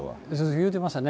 言うてましたね。